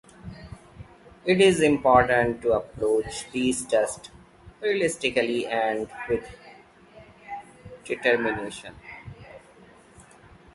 It is important to approach these tests realistically and with determination.